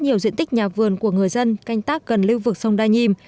nhiều diện tích nhà vườn của người dân canh tác gần lưu vực sông đa nhiêm